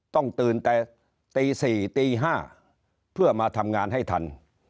ต้องตื่นแต่ตี๔ตี๕เพื่อมาทำงานให้ทัน